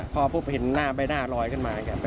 พอพบเห็นหน้าใบหน้าลอยขึ้นมา